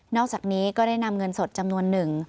อกจากนี้ก็ได้นำเงินสดจำนวนหนึ่ง